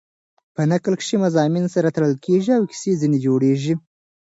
په نکل کښي مضامین سره تړل کېږي او کیسه ځیني جوړېږي.